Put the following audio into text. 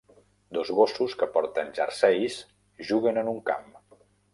Dos gossos que porten jerseis juguen en un camp.